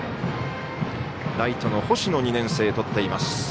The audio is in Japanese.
ライトの星野、２年生とっています。